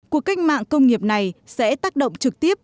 cuộc cách mạng công nghiệp này sẽ tác động trực tiếp